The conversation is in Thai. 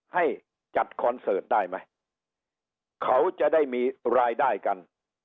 ให้จัดคอนเสิร์ตได้ไหมเขาจะได้มีรายได้กัน